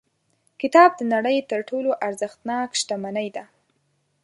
کتاب د نړۍ تر ټولو ارزښتناک شتمنۍ ده.